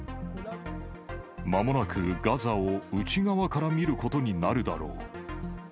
まもなくガザを内側から見ることになるだろう。